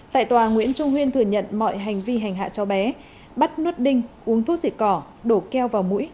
tại tòa nguyễn trung nguyên thừa nhận mọi hành vi hành hạ cháu bé bắt nuốt đinh uống thuốc dịt cỏ đổ keo vào mũi